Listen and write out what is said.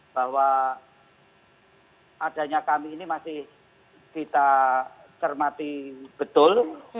bahwa adanya kami ini masih kita cermati betul